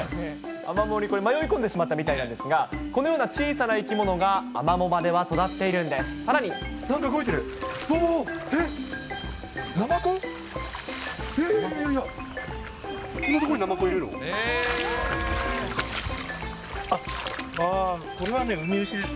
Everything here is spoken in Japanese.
アマモにこれ、迷い込んでしまったらしいのですが、このような小さな生き物が、アマモ場では育っているんです。